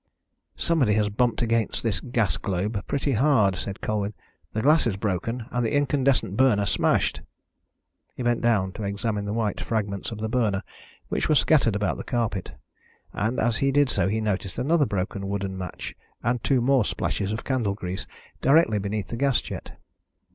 "Somebody has bumped against this gas globe pretty hard," said Colwyn. "The glass is broken and the incandescent burner smashed." He bent down to examine the white fragments of the burner which were scattered about the carpet, and as he did so he noticed another broken wooden match, and two more splashes of candle grease directly beneath the gas jet.